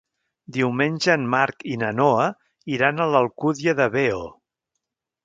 Diumenge en Marc i na Noa iran a l'Alcúdia de Veo.